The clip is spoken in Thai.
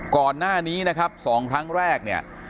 ก่อนหน้านี้นะครับ๒ครั้งแรกเนี่ย